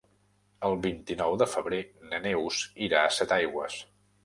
El vint-i-nou de febrer na Neus irà a Setaigües.